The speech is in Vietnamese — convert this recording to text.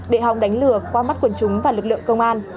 để hòng đánh lừa qua mắt quần chúng và lực lượng công an